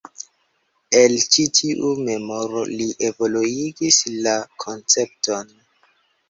El ĉi tiu memoro li evoluigis la koncepton.